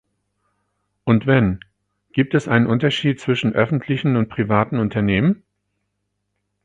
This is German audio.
Und wenn, gibt es einen Unterschied zwischen öffentlichen und privaten Unternehmen?